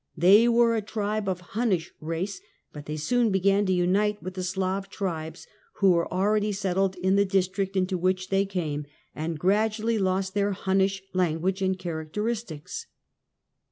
They were a tribe of Hunnish race, but they soon began to unite with the Slav tribes who were al ready settled in the district into which they came, and gradually lost their Hunnish language and character istics.